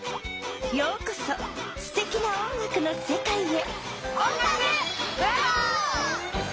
ようこそすてきな音楽のせかいへ！